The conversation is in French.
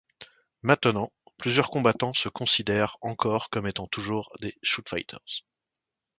Maintenant, plusieurs combattants se considèrent encore comme étant toujours des shootfighters.